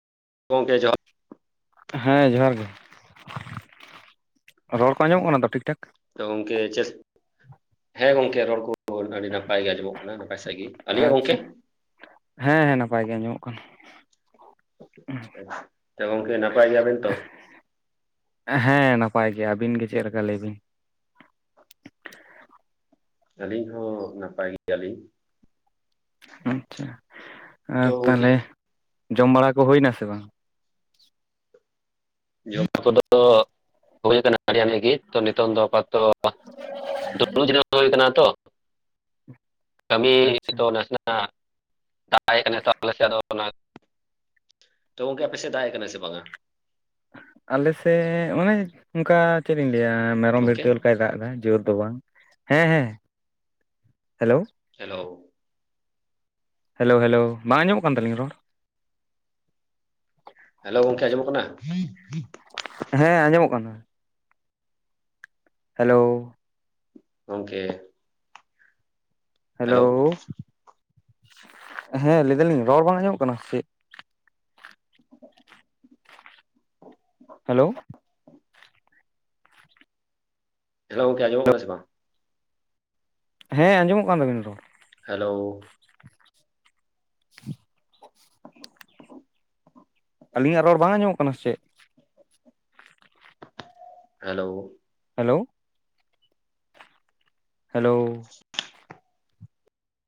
ᱜᱚᱝᱠᱮ ᱡᱚᱦᱟᱨ ᱦᱮᱸ ᱡᱚᱦᱟᱨ ᱜᱮ ᱨᱚᱲ ᱠᱚ ᱟᱸᱡᱚᱢᱚᱜ ᱠᱟᱱᱟ ᱛᱚ ᱴᱷᱤᱠ ᱴᱷᱟᱠ ᱛᱚ ᱜᱚᱝᱠᱮ ᱪᱮᱥ ᱦᱮᱸ ᱜᱚᱝᱠᱮ ᱨᱚᱲ ᱠᱚ [unintelligible] ᱟᱹᱰᱤ ᱱᱟᱯᱟᱭ ᱜᱮ ᱟᱸᱡᱚᱢᱚᱜ ᱠᱟᱱᱟ ᱱᱟᱯᱟᱭ ᱥᱟᱹᱦᱤᱡ ᱜᱮ ᱟᱞᱤᱧᱭᱟᱜ ᱟᱪᱪᱷᱟ ᱜᱚᱝᱠᱮ ᱦᱮᱸ ᱦᱮᱸ ᱱᱟᱯᱟᱭ ᱜᱮ ᱟᱸᱡᱚᱢᱚᱜ ᱠᱟᱱᱟ ᱛᱚ ᱜᱚᱝᱠᱮ ᱱᱟᱯᱟᱭ ᱜᱮᱭᱟᱵᱮᱱ ᱛᱚ [unintelligible] [inaudible] ᱦᱮᱸ ᱱᱟᱯᱟᱭ ᱜᱮᱭᱟ ᱟᱹᱵᱤᱱ ᱜᱮ ᱪᱮᱫᱮ ᱞᱮᱠᱟ ᱞᱟᱹᱭ ᱵᱤᱱ ᱟᱹᱞᱤᱧ ᱦᱚᱸ ᱱᱟᱯᱟᱭ ᱜᱮᱭᱟᱞᱤᱧ ᱟᱪᱪᱷᱟ ᱛᱚ ᱟᱨ ᱜᱚᱝᱠᱮ ᱛᱟᱦᱞᱮ ᱡᱚᱢ ᱵᱟᱲᱟ ᱠᱚ ᱦᱩᱭ ᱱᱟ ᱥᱮ ᱵᱟᱝ ᱡᱚᱢ ᱠᱚᱫᱚ ᱦᱳᱭ ᱟᱠᱟᱱᱟ ᱵᱟᱨᱭᱟ ᱜᱮ ᱛᱚ ᱱᱤᱛᱚᱝ ᱫᱚ ᱟᱯᱟᱛᱛᱚ ᱫᱩᱲᱩᱵ ᱡᱤᱨᱟᱣ ᱦᱩᱭ ᱠᱟᱱᱟ ᱛᱚ ᱠᱟᱹᱢᱤ ᱟᱪᱪᱷᱟ ᱛᱚ ᱱᱟᱥᱮᱱᱟᱜ ᱫᱟᱭ ᱠᱟᱱᱟ ᱛ ᱟᱞᱮ ᱥᱮ ᱟᱫᱚ ᱚᱱᱟ [unintelligible] ᱛᱚ ᱜᱚᱝᱠᱮ ᱟᱯᱮᱥᱮᱫ ᱫᱟᱜ ᱮ ᱠᱟᱱᱟᱭ ᱥᱮ ᱵᱟᱝ-ᱟ ᱟᱞᱮᱥᱮᱫ ᱚᱱᱮ ᱚᱱᱠᱟ ᱪᱮᱫ ᱤᱧ ᱞᱟᱹᱭᱟ ᱢᱮᱨᱚᱢ ᱜᱚᱝᱠᱮ ᱵᱷᱲᱠᱟᱹᱣ ᱞᱮᱠᱟᱭ ᱫᱟᱜ ᱮ ᱫᱟᱭ ᱡᱳᱨ ᱫᱚ ᱵᱟᱝ ᱦᱮᱸ ᱦᱮᱸ ᱦᱮᱞᱳ ᱦᱮᱞᱳ ᱦᱮᱞᱳ ᱦᱮᱞᱳ ᱵᱟᱝ ᱟᱡᱚᱢᱚᱜ ᱠᱟᱱ ᱛᱟᱹᱞᱤᱧ-ᱟ ᱨᱚᱲ ᱦᱮᱞᱳ ᱜᱚᱝᱠᱮ ᱟᱸᱡᱚᱢᱚᱜ ᱠᱟᱱᱟ ᱦᱮᱸ ᱟᱸᱡᱚᱢᱚᱜ ᱠᱟᱱᱟ ᱦᱮᱞᱳ ᱜᱚᱝᱠᱮ ᱦᱮᱞᱳ᱾ ᱦᱮᱸ ᱞᱟᱹᱭ ᱫᱟᱞᱤᱧ ᱨᱚᱲ ᱵᱟᱝ ᱟᱸᱡᱚᱢᱚᱜ ᱠᱟᱱᱟ ᱥᱮ? ᱦᱮᱞᱳ᱾ ᱦᱮᱞᱳ ᱜᱚᱝᱠᱮ ᱟᱡᱚᱢᱚᱜ ᱠᱟᱱᱟ ᱥᱮ ᱵᱟᱝ? ᱦᱮᱸ ᱟᱸᱡᱚᱢᱚᱜ ᱠᱟᱱ ᱛᱟᱹᱵᱤᱱᱟ ᱨᱚᱲ᱾ ᱦᱮᱞᱳ᱾ [inaudible] ᱟᱹᱞᱤᱧᱟᱜ ᱨᱚᱲ ᱵᱟᱝ ᱟᱸᱡᱚᱢᱚᱜ ᱠᱟᱱᱟ ᱥᱮᱪᱮᱫ? ᱦᱮᱞᱳ᱾ ᱦᱮᱞᱳ᱾ ᱦᱮᱞᱳ᱾